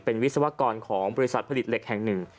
เป็นวิศวกรของบริษัทผลิตเหล็กแห่งหนึ่ง